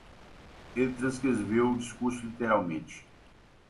Ela transcreveu o discurso, literalmente